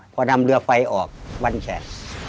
พอนำเรือไฟออกวันแขก